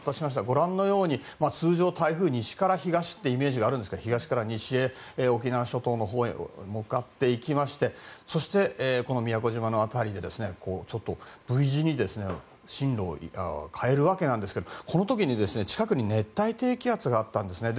ご覧のように通常台風、西から東というイメージがあるんですが東から西へ沖縄諸島のほうへ向かっていきましてそして、宮古島の辺りでＶ字に進路を変えるわけですがこの時に近くに熱帯低気圧があったんですね。